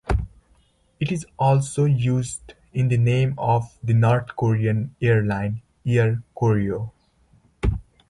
It is also used in the name of the North Korean airline, Air Koryo.